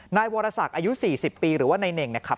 นายวรศักดิ์อายุ๔๐ปีหรือว่านายเน่งนะครับ